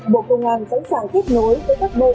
bộ công an sẵn sàng kết nối với các bộ ngành địa tiên